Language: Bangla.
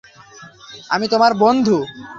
আমি, তোমার বন্ধু।